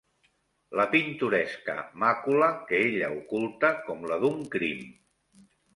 La pintoresca màcula que ella oculta com la d'un crim.